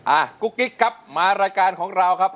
กุ๊กกิ๊กครับมารายการของเราครับ